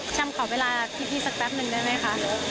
ชามขอเวลาพี่สักแป๊บหนึ่งได้มั้ยคะ